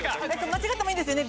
間違ってもいいんですよね？